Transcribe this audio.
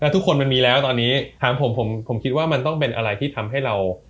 ทุกคนมันมีแล้วตอนนี้ถามผมผมคิดว่ามันต้องเป็นอะไรที่ทำให้เรา